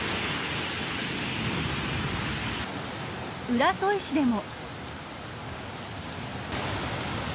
浦添市でも。